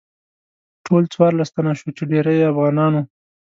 ټول څوارلس تنه شوو چې ډیری یې افغانان وو.